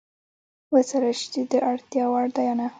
وڅارل شي چې د اړتیا وړ ده یا نه.